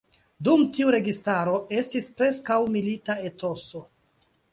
Dum tiu registaro estis preskaŭ milita etoso.